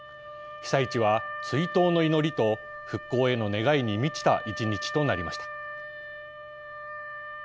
被災地は追悼の祈りと復興への願いに満ちた１日となりました。